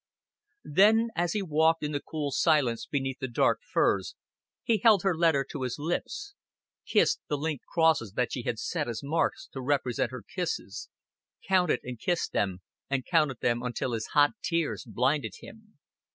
Then, as he walked in the cool silence beneath the dark firs, he held her letter to his lips kissed the inked crosses that she had set as marks to represent her kisses counted and kissed them and counted them until his hot tears blinded him.